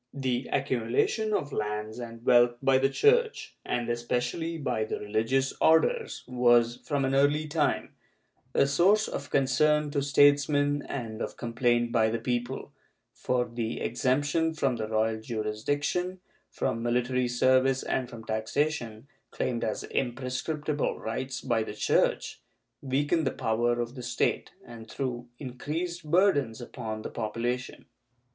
The accumulation of lands and wealth by the Church, and especially by the religious Orders, was, from an early time, a source of concern to statesmen and of complaint by the people, for the exemption from the royal jurisdiction, from military service and from taxation, claimed as imprescriptible rights by the Church, weakened the power of the State and threw increased burdens upon the population.